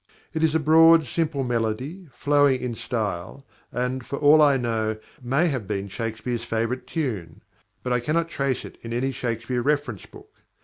It is a broad, simple melody, flowing in style, and, for all I know, may have been Shakespeare's favourite tune; but I cannot trace it in any Shakespeare reference book.